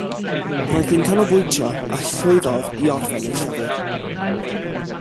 Roedd hi'n canolbwyntio, a llwyddodd i orffen ei llyfr